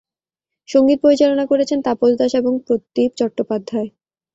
সঙ্গীত পরিচালনা করেছেন তাপস দাস এবং প্রদীপ চট্টোপাধ্যায়।